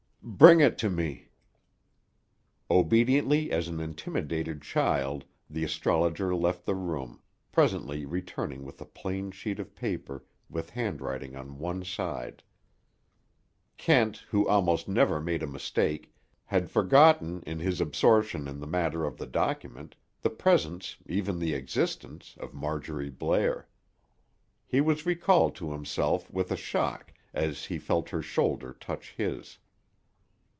"Bring it to me." Obediently as an intimidated child, the astrologer left the room, presently returning with a plain sheet of paper with handwriting on one side. Kent, who almost never made a mistake, had forgotten in his absorption in the matter of the document, the presence, even the existence, of Marjorie Blair. He was recalled to himself, with a shock, as he felt her shoulder touch his.